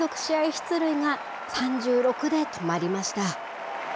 出塁が３６で止まりました。